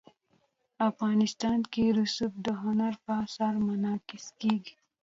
افغانستان کې رسوب د هنر په اثار کې منعکس کېږي.